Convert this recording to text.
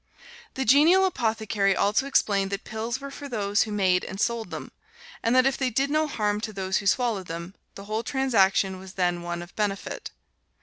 The genial apothecary also explained that pills were for those who made and sold them, and that if they did no harm to those who swallowed them, the whole transaction was then one of benefit.